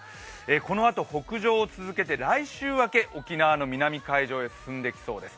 このあと北上を続けて来週明け、沖縄の南海上へ進んできそうです。